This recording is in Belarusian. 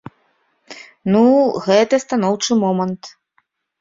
Ну, гэта станоўчы момант.